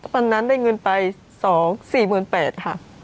วันนั้นได้เงินไป๒๔๘๐๐บาทค่ะ